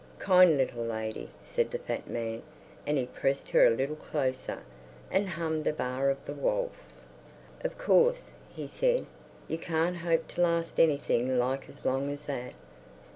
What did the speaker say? "Kind little lady," said the fat man, and he pressed her a little closer, and hummed a bar of the waltz. "Of course," he said, "you can't hope to last anything like as long as that.